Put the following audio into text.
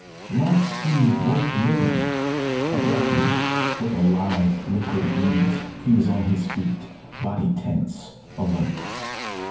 Life seemed worth living. Abruptly, with a lithe liquid ease, he was on his feet, body tense, alert.